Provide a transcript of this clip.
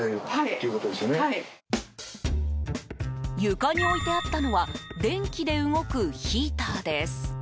床に置いてあったのは電気で動くヒーターです。